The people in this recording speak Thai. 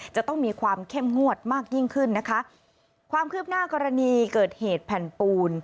จะต้องมีความเข้มงวดมากยิ่งขึ้นนะคะความคืบหน้ากรณีเกิดเหตุแผ่นปูน